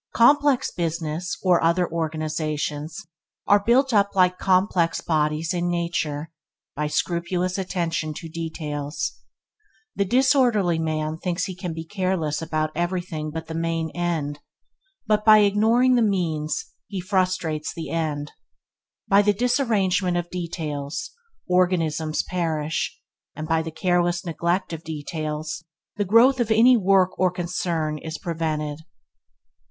Complex business or other organizations are built up like complex bodies in nature, by scrupulous attention to details. The disorderly man thinks he can be careless about every thing but the main end, but by ignoring the means he frustrates the end. By the disarrangement of details, organisms perish, and by the careless neglect of details, the growth of any work or concern is prevented.